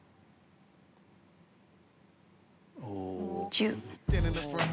１０。